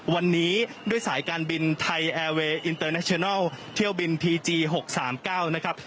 วันนี้ด้วยสายการบินไทยแอร์เวย์อินเตอร์เนชนัลเที่ยวบินพีจี๖๓๙นะครับ